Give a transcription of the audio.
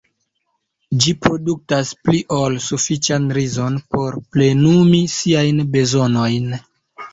Ĝi produktas pli ol sufiĉan rizon por plenumi siajn bezonojn.